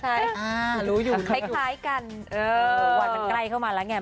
ใช่คล้ายกันวันมันใกล้เข้ามาแล้วไง